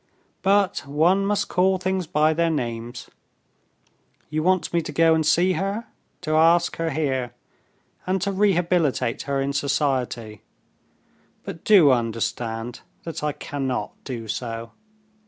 "But one must call things by their names. You want me to go and see her, to ask her here, and to rehabilitate her in society; but do understand that I cannot do so.